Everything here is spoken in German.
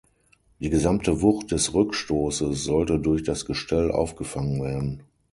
Die gesamte Wucht des Rückstoßes sollte durch das Gestell aufgefangen werden.